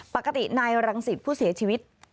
ปกตินายรังสิตผู้เสียชีวิต